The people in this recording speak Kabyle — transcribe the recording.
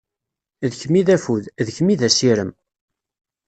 D kemm i d affud, d kemm i d asirem.